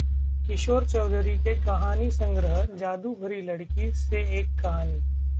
किशोर चौधरी के कहानी-संग्रह 'जादू भरी लड़की' से एक कहानी...